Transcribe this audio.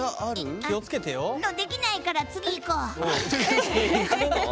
できないから次いこう。